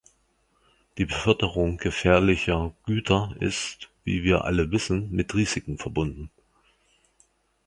Die Beförderung gefährlicher Güter ist, wie wir alle wissen, mit Risiken verbunden.